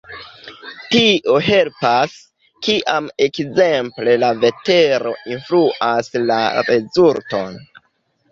Tio helpas, kiam ekzemple la vetero influas la rezulton.